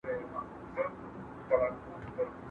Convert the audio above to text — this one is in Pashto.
خره که ښکرونه درلوداى، د غويو نسونه بې څيرلي واى.